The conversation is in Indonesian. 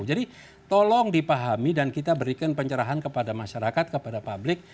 jadi tolong dipahami dan kita berikan pencerahan kepada masyarakat kepada publik